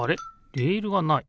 レールがない。